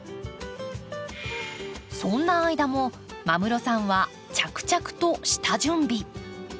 そんな間も間室さんは着々と下準備。